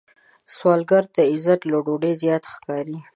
سوالګر ته عزت له ډوډۍ زیات ښکاري